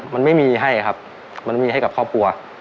มันไม่มีให้ครับมันมีให้กับครอบครัว